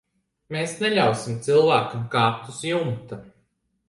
Mēs neļausim cilvēkam kāpt uz jumta.